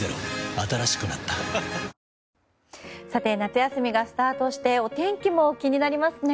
新しくなった夏休みがスタートしてお天気も気になりますね。